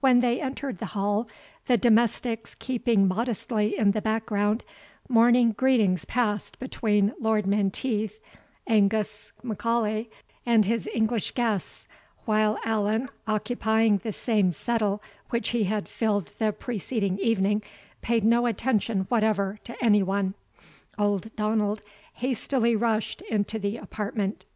When they entered the hall, the domestics keeping modestly in the background, morning greetings passed between Lord Menteith, Angus M'Aulay, and his English guests, while Allan, occupying the same settle which he had filled the preceding evening, paid no attention whatever to any one. Old Donald hastily rushed into the apartment.